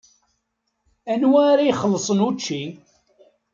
Anwa ara ixellṣen učči?